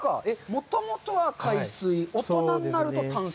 もともとは海水、大人になると淡水。